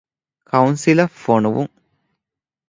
ކައުންސިލަށް ފޮނުވުން.